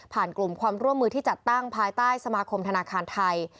กลุ่มความร่วมมือที่จัดตั้งภายใต้สมาคมธนาคารไทย